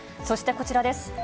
そしてこちらです。